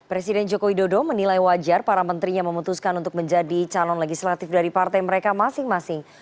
presiden joko widodo menilai wajar para menterinya memutuskan untuk menjadi calon legislatif dari partai mereka masing masing